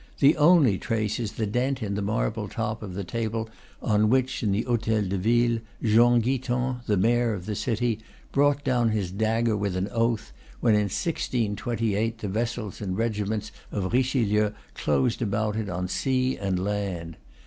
The only trace is the dent in the marble top of the table on which, in the hotel de ville, Jean Guiton, the mayor of the city, brought down his dagger with an oath, when in 1628 the vessels and regiments of Richelieu closed about it on sea and land.